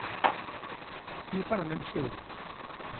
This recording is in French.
Ce n’est pas la même chose…